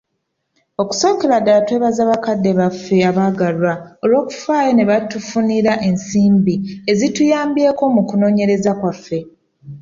Okusookera ddala twebaza bakadde baffe abaagalwa olw'okufaayo ne batufunira ensimbi ezituyambyeko mu kunoonyereza kwaffe.